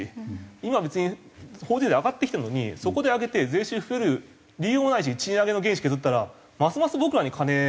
今別に法人税上がってきてるのにそこで上げて税収増える理由もないし賃上げの原資削ったらますます僕らに金回ってこないんで。